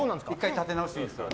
立て直していいですから。